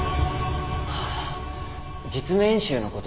ああ実務演習のこと？